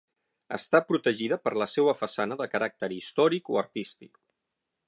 Està protegida per la seua façana de caràcter històric o artístic.